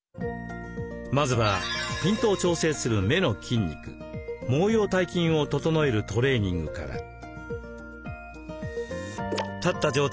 まずはピントを調整する目の筋肉毛様体筋を整えるトレーニングから。